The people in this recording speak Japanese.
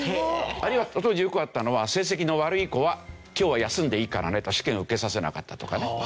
あるいは当時よくあったのは成績の悪い子は今日は休んでいいからねと試験を受けさせなかったとかね。